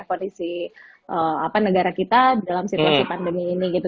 kondisi negara kita dalam situasi pandemi ini gitu